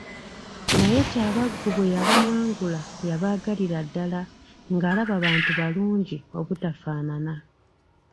Naye Kyabaggu bwe yabawangula yabaagalira ddala ng'alaba bantu balungi batufaanana.